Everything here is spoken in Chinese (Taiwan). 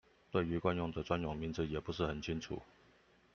對於慣用的專用名詞也不是很清楚